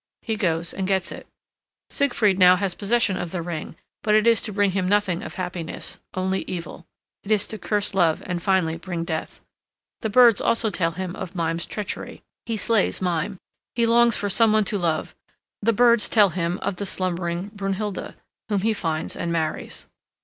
He goes and gets it. Siegfried now has possession of the ring, but it is to bring him nothing of happiness, only evil. It is to curse love and finally bring death. The birds also tell him of Mime's treachery. He slays Mime. He longs for some one to love. The birds tell him of the slumbering Brunnhilda, whom he finds and marries.